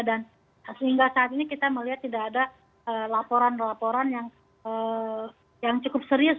dan sehingga saat ini kita melihat tidak ada laporan laporan yang cukup serius